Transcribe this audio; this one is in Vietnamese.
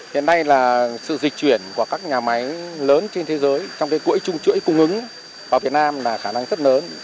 hiện nay là sự dịch chuyển của các nhà máy lớn trên thế giới trong cái cuỗi trung trưỡi cung ứng vào việt nam là khả năng rất lớn